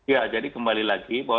ya jadi kembali lagi